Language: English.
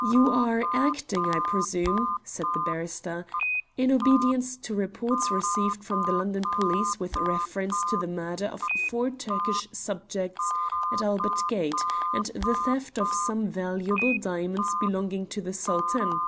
"You are acting, I presume," said the barrister, "in obedience to reports received from the London police with reference to the murder of four Turkish subjects at Albert Gate, and the theft of some valuable diamonds belonging to the Sultan?"